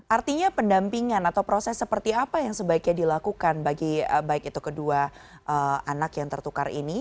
artinya pendampingan atau proses seperti apa yang sebaiknya dilakukan bagi baik itu kedua anak yang tertukar ini